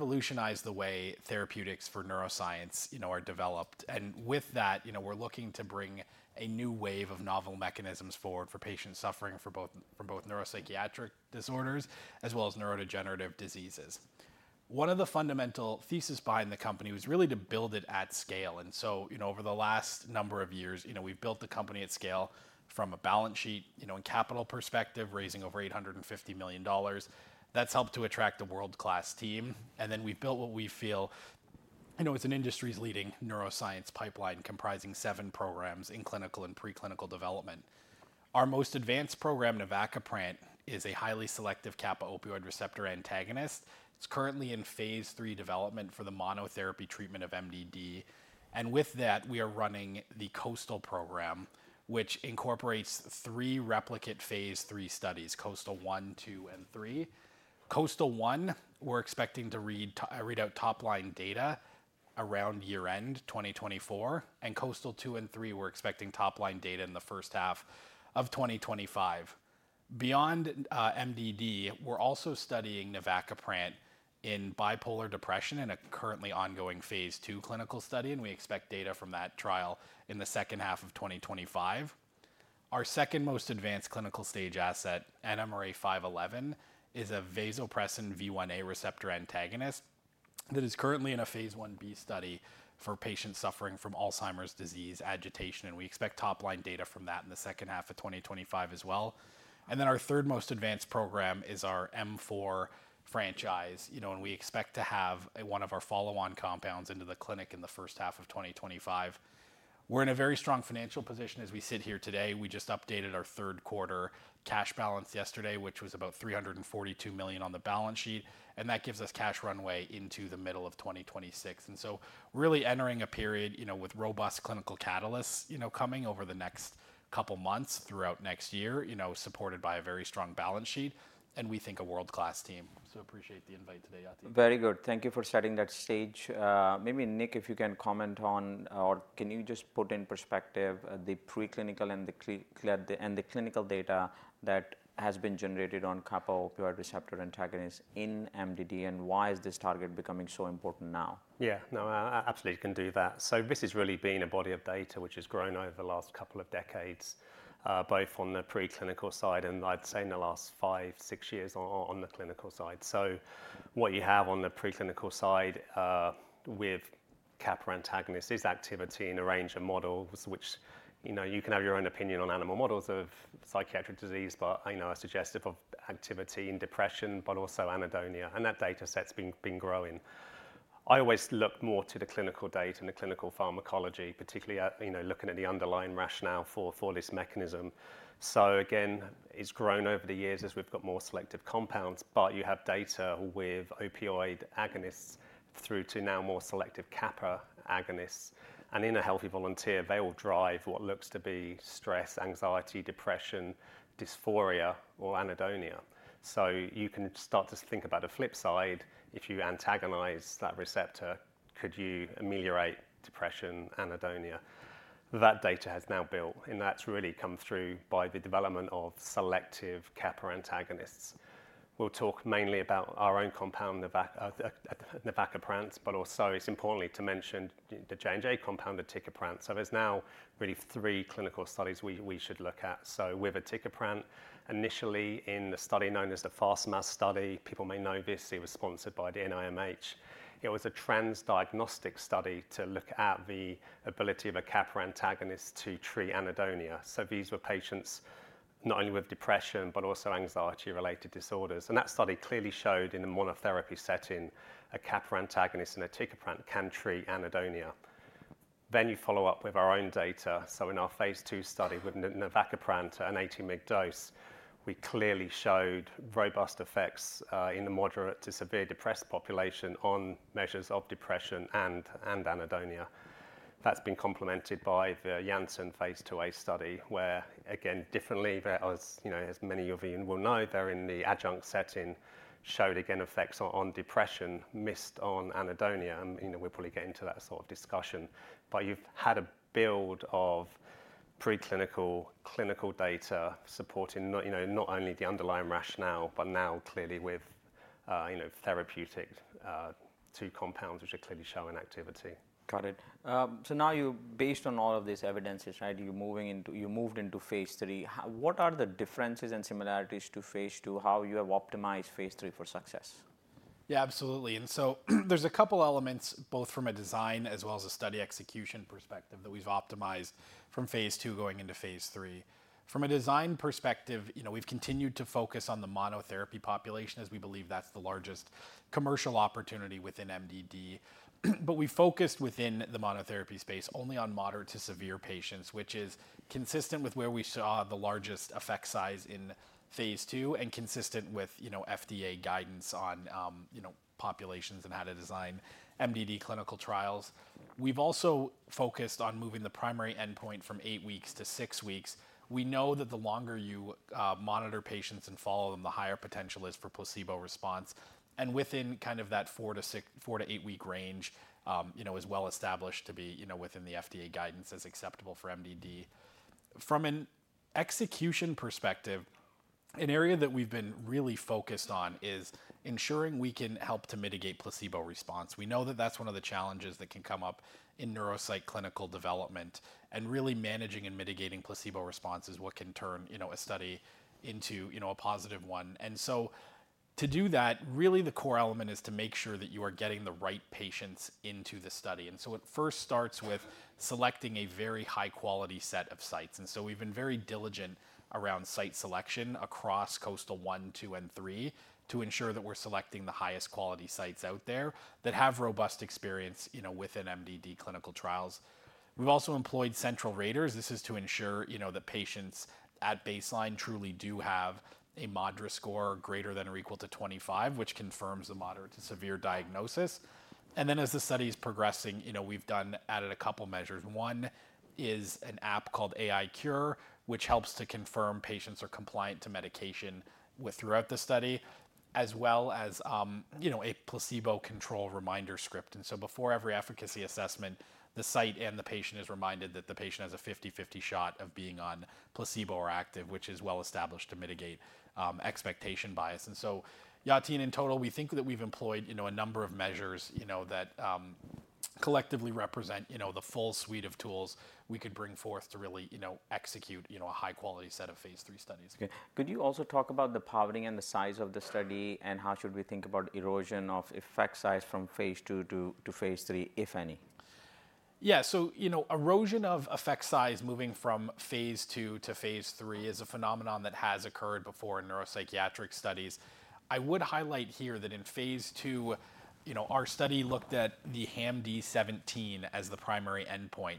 Revolutionized the way therapeutics for neuroscience, you know, are developed. And with that, you know, we're looking to bring a new wave of novel mechanisms forward for patients suffering from both neuropsychiatric disorders as well as neurodegenerative diseases. One of the fundamental theses behind the company was really to build it at scale. And so, you know, over the last number of years, you know, we've built the company at scale from a balance sheet, you know, and capital perspective, raising over $850 million. That's helped to attract a world-class team. And then we've built what we feel, you know, is an industry's leading neuroscience pipeline comprising seven programs in clinical and preclinical development. Our most advanced program, navacaprant, is a highly selective kappa opioid receptor antagonist. It's currently in phase 3 development for the monotherapy treatment of MDD. With that, we are running the Coastal program, which incorporates three replicate phase 3 studies: Coastal 1, 2, and 3. Coastal 1, we're expecting to read out top-line data around year-end 2024. And Coastal 2 and 3, we're expecting top-line data in the first half of 2025. Beyond MDD, we're also studying navacaprant in bipolar depression in a currently ongoing phase 2 clinical study, and we expect data from that trial in the second half of 2025. Our second most advanced clinical stage asset, NMRA-511, is a vasopressin V1A receptor antagonist that is currently in a phase 1b study for patients suffering from Alzheimer's disease agitation. And we expect top-line data from that in the second half of 2025 as well. And then our third most advanced program is our M4 franchise, you know, and we expect to have one of our follow-on compounds into the clinic in the first half of 2025. We're in a very strong financial position as we sit here today. We just updated our third quarter cash balance yesterday, which was about $342 million on the balance sheet. And that gives us cash runway into the middle of 2026. And so really entering a period, you know, with robust clinical catalysts, you know, coming over the next couple months throughout next year, you know, supported by a very strong balance sheet. And we think a world-class team. So appreciate the invite today, Yatin. Very good. Thank you for setting that stage. Maybe Nick, if you can comment on, or can you just put in perspective the preclinical and the clinical data that has been generated on kappa opioid receptor antagonists in MDD, and why is this target becoming so important now? Yeah, no, absolutely can do that. So this has really been a body of data which has grown over the last couple of decades, both on the preclinical side and I'd say in the last five, six years on the clinical side. So what you have on the preclinical side with kappa antagonists is activity in a range of models, which, you know, you can have your own opinion on animal models of psychiatric disease, but, you know, suggestive of activity in depression, but also anhedonia. And that data set's been growing. I always look more to the clinical data and the clinical pharmacology, particularly, you know, looking at the underlying rationale for this mechanism. So again, it's grown over the years as we've got more selective compounds, but you have data with opioid agonists through to now more selective kappa agonists. And in a healthy volunteer, they will drive what looks to be stress, anxiety, depression, dysphoria, or anhedonia. So you can start to think about a flip side. If you antagonize that receptor, could you ameliorate depression, anhedonia? That data has now built, and that's really come through by the development of selective kappa antagonists. We'll talk mainly about our own compound, navacaprant, but also it's important to mention the J&J compound, the aticaprant. So there's now really three clinical studies we should look at. So with aticaprant, initially in the study known as the FAST-MAS study, people may know this, it was sponsored by the NIMH. It was a transdiagnostic study to look at the ability of a kappa antagonist to treat anhedonia. So these were patients not only with depression, but also anxiety-related disorders. And that study clearly showed in a monotherapy setting a kappa antagonist and aticaprant can treat anhedonia. Then you follow up with our own data. So in our phase 2 study with navacaprant at an 80-mg dose, we clearly showed robust effects in the moderate to severe depressed population on measures of depression and anhedonia. That's been complemented by the Janssen phase 2A study where, again, differently, as many of you will know, they're in the adjunct setting, showed again effects on depression and on anhedonia. And, you know, we're probably getting to that sort of discussion. But you've had a build of preclinical and clinical data supporting, you know, not only the underlying rationale, but now clearly with, you know, two therapeutic compounds, which are clearly showing activity. Got it. So now you, based on all of this evidence, right, you're moving into, you moved into phase three. What are the differences and similarities to phase two, how you have optimized phase three for success? Yeah, absolutely. And so there's a couple elements both from a design as well as a study execution perspective that we've optimized from phase two going into phase three. From a design perspective, you know, we've continued to focus on the monotherapy population as we believe that's the largest commercial opportunity within MDD. But we focused within the monotherapy space only on moderate to severe patients, which is consistent with where we saw the largest effect size in phase two and consistent with, you know, FDA guidance on, you know, populations and how to design MDD clinical trials. We've also focused on moving the primary endpoint from eight weeks to six weeks. We know that the longer you monitor patients and follow them, the higher potential is for placebo response. Within kind of that four to eight-week range, you know, is well established to be, you know, within the FDA guidance as acceptable for MDD. From an execution perspective, an area that we've been really focused on is ensuring we can help to mitigate placebo response. We know that that's one of the challenges that can come up in neuropsychiatric development. Really managing and mitigating placebo response is what can turn, you know, a study into, you know, a positive one. To do that, really the core element is to make sure that you are getting the right patients into the study. It first starts with selecting a very high-quality set of sites. And so we've been very diligent around site selection across Coastal-1, Coastal-2, and Coastal-3 to ensure that we're selecting the highest quality sites out there that have robust experience, you know, within MDD clinical trials. We've also employed central raters. This is to ensure, you know, that patients at baseline truly do have a moderate score greater than or equal to 25, which confirms a moderate to severe diagnosis. And then as the study is progressing, you know, we've added a couple measures. One is an app called AiCure, which helps to confirm patients are compliant to medication throughout the study, as well as, you know, a placebo control reminder script. And so before every efficacy assessment, the site and the patient is reminded that the patient has a 50/50 shot of being on placebo or active, which is well established to mitigate expectation bias. And so, Yatin, in total, we think that we've employed, you know, a number of measures, you know, that collectively represent, you know, the full suite of tools we could bring forth to really, you know, execute, you know, a high-quality set of phase three studies. Okay. Could you also talk about the power and the size of the study and how should we think about erosion of effect size from phase two to phase three, if any? Yeah, so you know, erosion of effect size moving from phase 2 to phase 3 is a phenomenon that has occurred before in neuropsychiatric studies. I would highlight here that in phase 2, you know, our study looked at the HAMD-17 as the primary endpoint.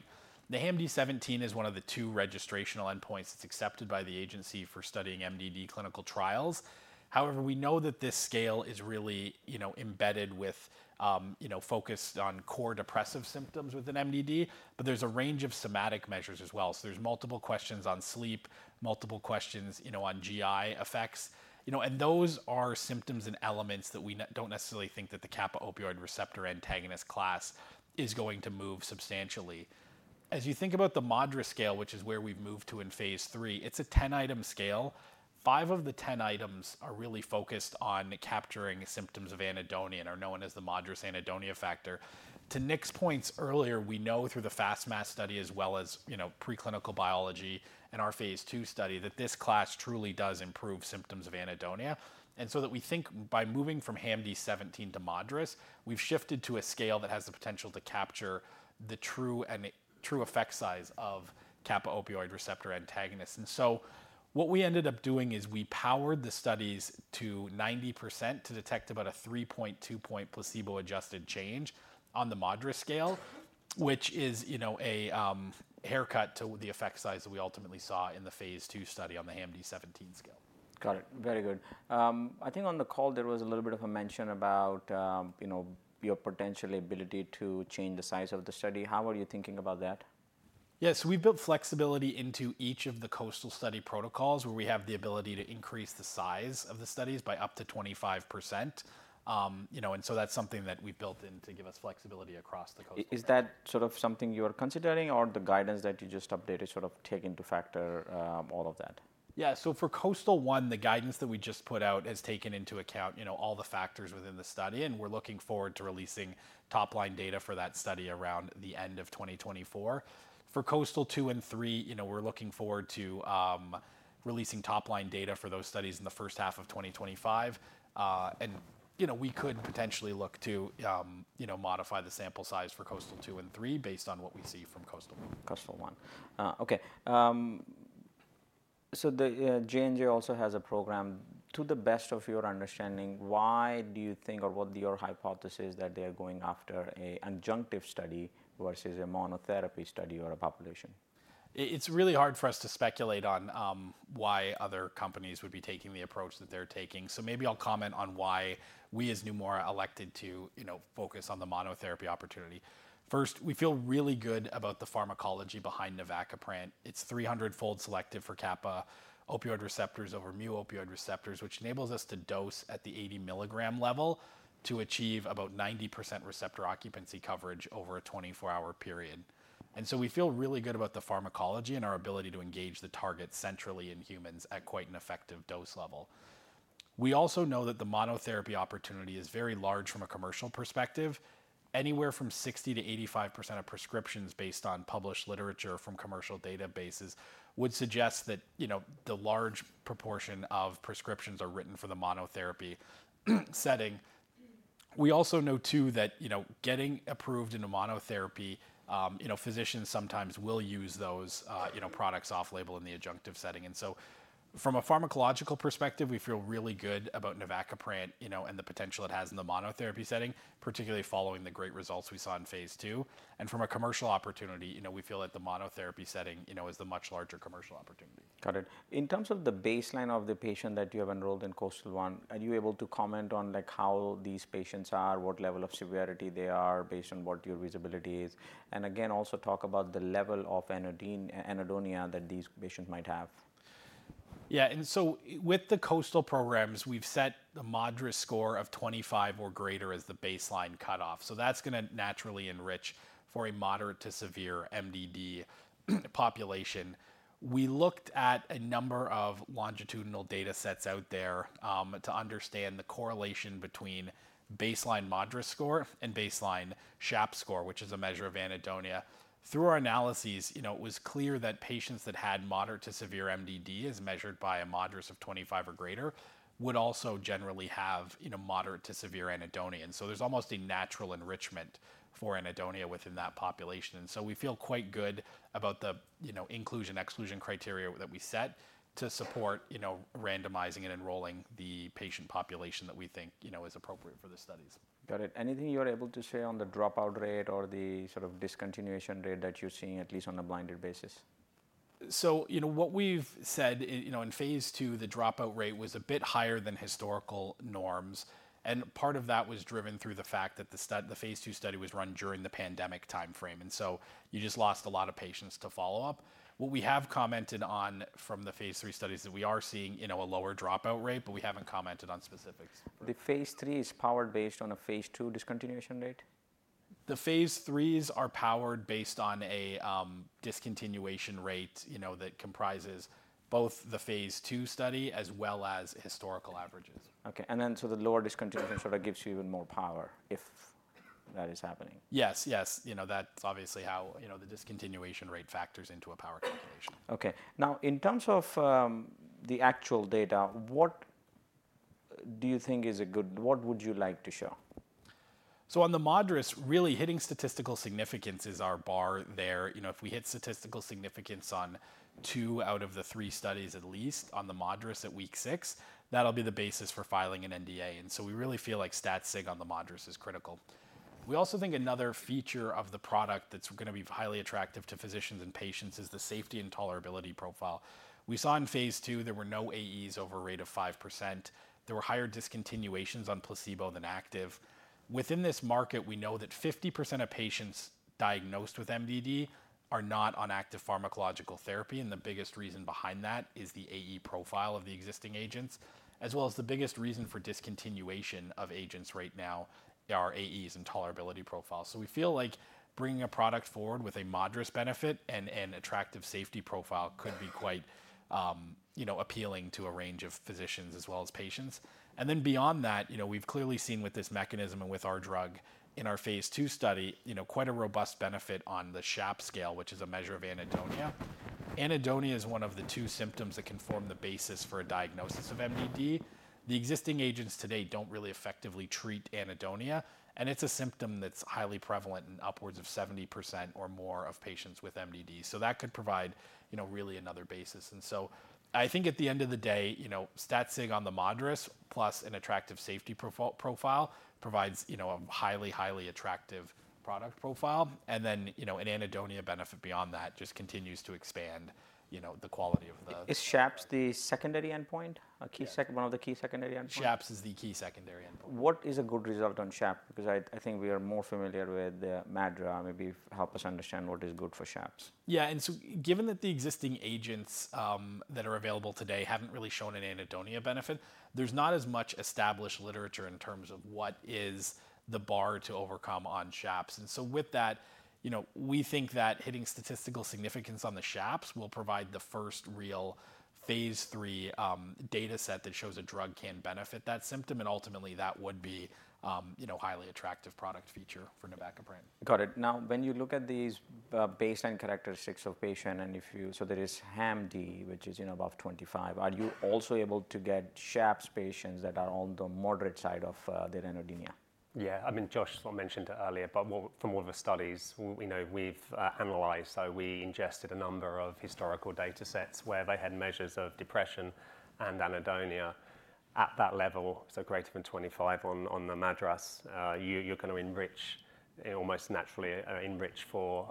The HAMD-17 is one of the two registrational endpoints that's accepted by the agency for studying MDD clinical trials. However, we know that this scale is really, you know, embedded with, you know, focused on core depressive symptoms within MDD, but there's a range of somatic measures as well. So there's multiple questions on sleep, multiple questions, you know, on GI effects, you know, and those are symptoms and elements that we don't necessarily think that the kappa opioid receptor antagonist class is going to move substantially. As you think about the moderate scale, which is where we've moved to in phase 3, it's a 10-item scale. Five of the 10 items are really focused on capturing symptoms of anhedonia and are known as the MADRS anhedonia factor. To Nick's points earlier, we know through the FAST-MAS study as well as, you know, preclinical biology and our phase 2 study that this class truly does improve symptoms of anhedonia, and so that we think by moving from HAMD-17 to moderate, we've shifted to a scale that has the potential to capture the true effect size of kappa opioid receptor antagonists. What we ended up doing is we powered the studies to 90% to detect about a 3.2-point placebo-adjusted change on the moderate scale, which is, you know, a haircut to the effect size that we ultimately saw in the phase two study on the HAMD-17 scale. Got it. Very good. I think on the call there was a little bit of a mention about, you know, your potential ability to change the size of the study. How are you thinking about that? Yeah, so we built flexibility into each of the Coastal study protocols where we have the ability to increase the size of the studies by up to 25%, you know, and so that's something that we built in to give us flexibility across the Coastal study. Is that sort of something you are considering or the guidance that you just updated sort of take into account all of that? Yeah, so for Coastal One, the guidance that we just put out has taken into account, you know, all the factors within the study, and we're looking forward to releasing top-line data for that study around the end of 2024. For Coastal Two and Three, you know, we're looking forward to releasing top-line data for those studies in the first half of 2025. And, you know, we could potentially look to, you know, modify the sample size for Coastal Two and Three based on what we see from Coastal One. Coastal-1. Okay. So the J&J also has a program. To the best of your understanding, why do you think or what's your hypothesis that they are going after an adjunctive study versus a monotherapy study or a population? It's really hard for us to speculate on why other companies would be taking the approach that they're taking. So maybe I'll comment on why we as Neumora elected to, you know, focus on the monotherapy opportunity. First, we feel really good about the pharmacology behind navacaprant. It's 300-fold selective for kappa opioid receptors over mu opioid receptors, which enables us to dose at the 80-milligram level to achieve about 90% receptor occupancy coverage over a 24-hour period. And so we feel really good about the pharmacology and our ability to engage the target centrally in humans at quite an effective dose level. We also know that the monotherapy opportunity is very large from a commercial perspective. Anywhere from 60%-85% of prescriptions based on published literature from commercial databases would suggest that, you know, the large proportion of prescriptions are written for the monotherapy setting. We also know too that, you know, getting approved in a monotherapy, you know, physicians sometimes will use those, you know, products off-label in the adjunctive setting, and so from a pharmacological perspective, we feel really good about navacaprant, you know, and the potential it has in the monotherapy setting, particularly following the great results we saw in phase two, and from a commercial opportunity, you know, we feel that the monotherapy setting, you know, is the much larger commercial opportunity. Got it. In terms of the baseline of the patient that you have enrolled in Coastal-1, are you able to comment on like how these patients are, what level of severity they are based on what your visibility is? And again, also talk about the level of anhedonia that these patients might have. Yeah, and so with the COASTAL programs, we've set the MADRS score of 25 or greater as the baseline cutoff. So that's going to naturally enrich for a moderate to severe MDD population. We looked at a number of longitudinal data sets out there to understand the correlation between baseline MADRS score and baseline SHAPS score, which is a measure of anhedonia. Through our analyses, you know, it was clear that patients that had moderate to severe MDD as measured by a MADRS of 25 or greater would also generally have, you know, moderate to severe anhedonia. And so there's almost a natural enrichment for anhedonia within that population. And so we feel quite good about the, you know, inclusion-exclusion criteria that we set to support, you know, randomizing and enrolling the patient population that we think, you know, is appropriate for the studies. Got it. Anything you're able to share on the dropout rate or the sort of discontinuation rate that you're seeing, at least on a blinded basis? So, you know, what we've said, you know, in phase two, the dropout rate was a bit higher than historical norms. And part of that was driven through the fact that the phase two study was run during the pandemic timeframe. And so you just lost a lot of patients to follow up. What we have commented on from the phase three studies that we are seeing, you know, a lower dropout rate, but we haven't commented on specifics. The phase three is powered based on a phase two discontinuation rate? The phase 3s are powered based on a discontinuation rate, you know, that comprises both the phase 2 study as well as historical averages. Okay. And then so the lower discontinuation sort of gives you even more power if that is happening. Yes, yes. You know, that's obviously how, you know, the discontinuation rate factors into a power calculation. Okay. Now, in terms of the actual data, what do you think is a good, what would you like to show? So on the moderate, really hitting statistical significance is our bar there. You know, if we hit statistical significance on two out of the three studies at least on the moderate at week six, that'll be the basis for filing an NDA. And so we really feel like stat sig on the moderate is critical. We also think another feature of the product that's going to be highly attractive to physicians and patients is the safety and tolerability profile. We saw in phase two, there were no AEs over a rate of 5%. There were higher discontinuations on placebo than active. Within this market, we know that 50% of patients diagnosed with MDD are not on active pharmacological therapy. And the biggest reason behind that is the AE profile of the existing agents, as well as the biggest reason for discontinuation of agents right now are AEs and tolerability profiles. So we feel like bringing a product forward with a moderate benefit and an attractive safety profile could be quite, you know, appealing to a range of physicians as well as patients. And then beyond that, you know, we've clearly seen with this mechanism and with our drug in our phase 2 study, you know, quite a robust benefit on the SHAPS scale, which is a measure of anhedonia. Anhedonia is one of the two symptoms that can form the basis for a diagnosis of MDD. The existing agents today don't really effectively treat anhedonia, and it's a symptom that's highly prevalent in upwards of 70% or more of patients with MDD. So that could provide, you know, really another basis. And so I think at the end of the day, you know, stat sig on the moderate plus an attractive safety profile provides, you know, a highly, highly attractive product profile. And then, you know, an anhedonia benefit beyond that just continues to expand, you know, the quality of the. Is SHAPS the secondary endpoint, a key second, one of the key secondary endpoints? SHAPS is the key secondary endpoint. What is a good result on SHAPS? Because I think we are more familiar with the MADRS, maybe help us understand what is good for SHAPS. Yeah. And so given that the existing agents that are available today haven't really shown an anhedonia benefit, there's not as much established literature in terms of what is the bar to overcome on SHAPS. And so with that, you know, we think that hitting statistical significance on the SHAPS will provide the first real phase three data set that shows a drug can benefit that symptom. And ultimately, that would be, you know, a highly attractive product feature for navacaprant. Got it. Now, when you look at these baseline characteristics of patients, and if you, so there is HAMD, which is, you know, above 25, are you also able to get SHAPS patients that are on the moderate side of their anhedonia? Yeah. I mean, Josh mentioned it earlier, but from all the studies we know, we've analyzed, so we ingested a number of historical data sets where they had measures of depression and anhedonia at that level, so greater than 25 on the MADRS, you're going to enrich, almost naturally enrich for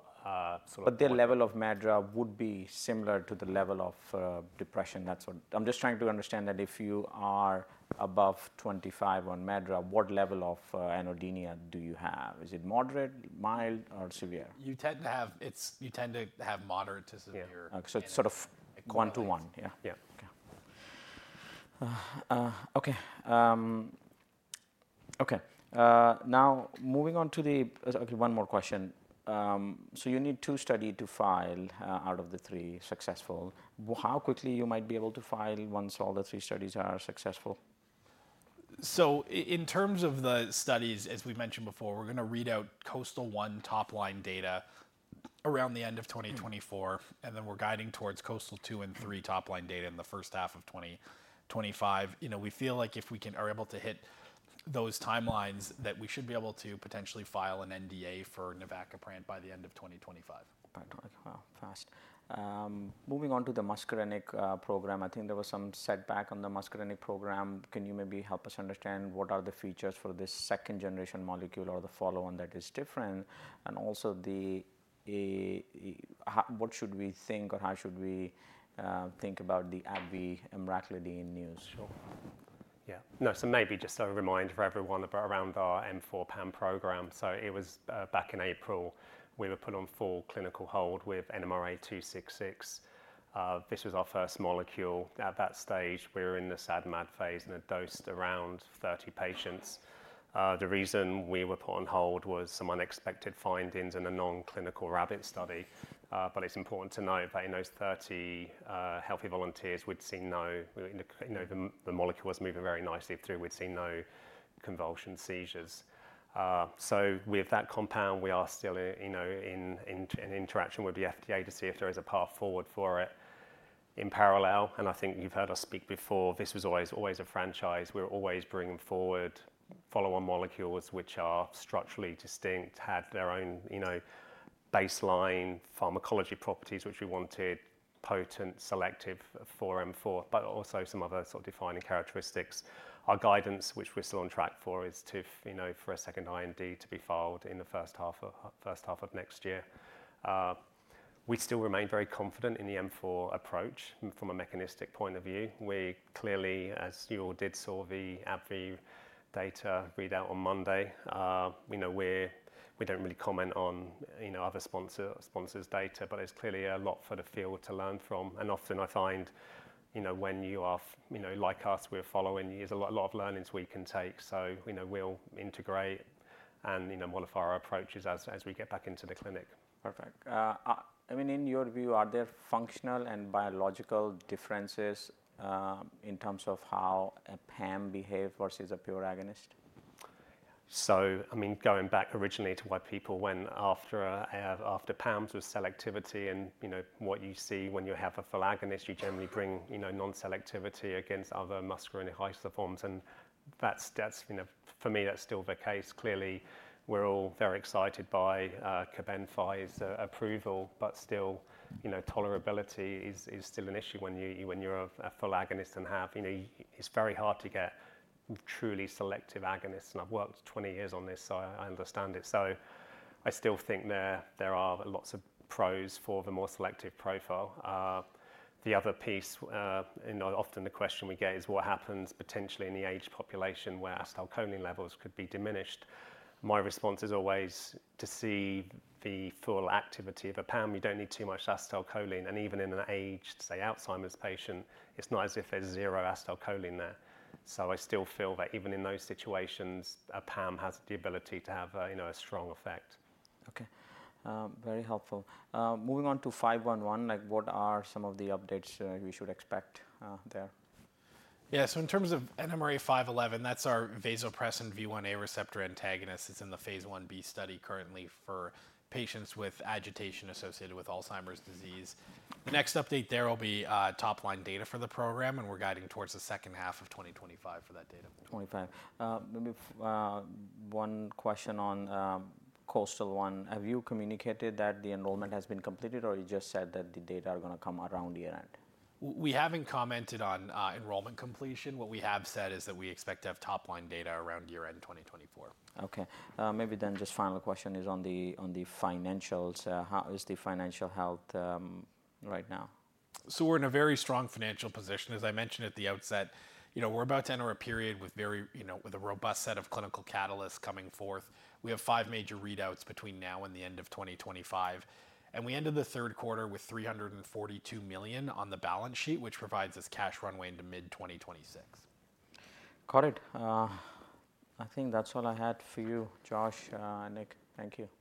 sort of. But their level of MADRS would be similar to the level of depression. That's what I'm just trying to understand that if you are above 25 on MADRS, what level of anhedonia do you have? Is it moderate, mild, or severe? You tend to have moderate to severe. Yeah. So it's sort of one to one. Yeah. Now, moving on. One more question. So you need two studies to file out of the three successful. How quickly you might be able to file once all the three studies are successful? In terms of the studies, as we mentioned before, we're going to read out Coastal-1 top-line data around the end of 2024, and then we're guiding towards Coastal-2 and Coastal-3 top-line data in the first half of 2025. You know, we feel like if we are able to hit those timelines that we should be able to potentially file an NDA for navacaprant by the end of 2025. By 2025. Moving on to the muscarinic program, I think there was some setback on the muscarinic program. Can you maybe help us understand what are the features for this second-generation molecule or the follow-on that is different? And also the, what should we think or how should we think about the AbbVie and emraclidine news? Sure. Yeah. No, so maybe just a reminder for everyone around our M4PAM program. So it was back in April, we were put on full clinical hold with NMRA-266. This was our first molecule at that stage. We were in the SAD/MAD phase and had dosed around 30 patients. The reason we were put on hold was some unexpected findings in a non-clinical rabbit study. But it's important to note that in those 30 healthy volunteers, we'd seen no, you know, the molecule was moving very nicely through. We'd seen no convulsion seizures. So with that compound, we are still, you know, in interaction with the FDA to see if there is a path forward for it in parallel. And I think you've heard us speak before, this was always, always a franchise. We're always bringing forward follow-on molecules which are structurally distinct, had their own, you know, baseline pharmacological properties, which we wanted potent, selective for M4, but also some other sort of defining characteristics. Our guidance, which we're still on track for, is to, you know, for a second IND to be filed in the first half of next year. We still remain very confident in the M4 approach from a mechanistic point of view. We clearly, as you all did, saw the AbbVie data readout on Monday. You know, we don't really comment on, you know, other sponsors' data, but there's clearly a lot for the field to learn from, and often I find, you know, when you are, you know, like us, we're following, there's a lot of learnings we can take. So, you know, we'll integrate and, you know, modify our approaches as we get back into the clinic. Perfect. I mean, in your view, are there functional and biological differences in terms of how a PAM behaves versus a pure agonist? I mean, going back originally to why people, when after PAMs with selectivity and, you know, what you see when you have a full agonist, you generally bring, you know, non-selectivity against other muscarinic isoforms. And that's, you know, for me, that's still the case. Clearly, we're all very excited by Cobenfy's approval, but still, you know, tolerability is still an issue when you're a full agonist and have, you know, it's very hard to get truly selective agonists. And I've worked 20 years on this, so I understand it. I still think there are lots of pros for the more selective profile. The other piece, you know, often the question we get is what happens potentially in the aged population where acetylcholine levels could be diminished. My response is always, to see the full activity of a PAM, you don't need too much acetylcholine. And even in an aged, say, Alzheimer's patient, it's not as if there's zero acetylcholine there. So I still feel that even in those situations, a PAM has the ability to have, you know, a strong effect. Okay. Very helpful. Moving on to 511, like what are some of the updates we should expect there? Yeah. So in terms of NMRA-511, that's our vasopressin V1A receptor antagonist. It's in the phase 1b study currently for patients with agitation associated with Alzheimer's disease. The next update there will be top-line data for the program, and we're guiding towards the second half of 2025 for that data. 25. Maybe one question on Coastal One. Have you communicated that the enrollment has been completed or you just said that the data are going to come around year-end? We haven't commented on enrollment completion. What we have said is that we expect to have top-line data around year-end 2024. Okay. Maybe then just final question is on the financials. How is the financial health right now? So we're in a very strong financial position. As I mentioned at the outset, you know, we're about to enter a period with very, you know, with a robust set of clinical catalysts coming forth. We have five major readouts between now and the end of 2025. And we ended the third quarter with $342 million on the balance sheet, which provides us cash runway into mid-2026. Got it. I think that's all I had for you, Josh and Nick. Thank you.